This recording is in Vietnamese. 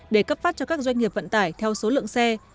để cấp phát cho các doanh nghiệp vận tải theo số lượng xe